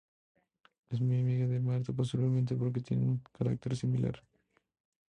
Es muy amiga de Marta posiblemente porque tienen un carácter similar.